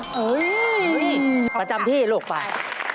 ประจำที่ลูกป่าล